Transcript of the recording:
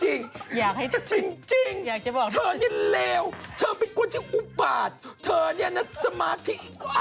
จริงเธอนี่เลวเธอเป็นคนที่อุบาตเธอนี่นัดสมาธิ